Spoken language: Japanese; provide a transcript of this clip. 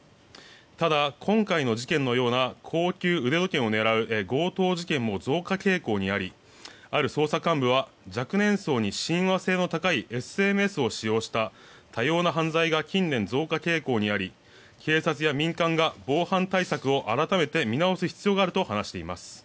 ただ、今回の事件のような高級腕時計店を狙う強盗事件も増加傾向にありある捜査幹部は若年層に親和性の高いＳＮＳを使用した多様な犯罪が近年、増加傾向にあり警察や民間が、防犯対策を改めて見直す必要があると話しています。